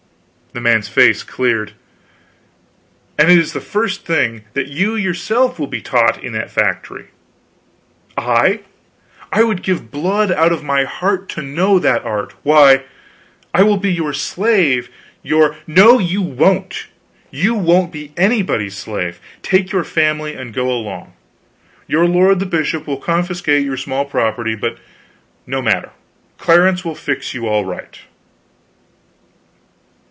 The man's face cleared. "And it is the first thing that you yourself will be taught in that Factory " "I? I would give blood out of my heart to know that art. Why, I will be your slave, your " "No you won't, you won't be anybody's slave. Take your family and go along. Your lord the bishop will confiscate your small property, but no matter. Clarence will fix you all right."